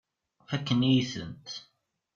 Fakken-iyi-tent.